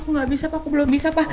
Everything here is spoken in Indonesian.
aku nggak bisa pak aku belum bisa pak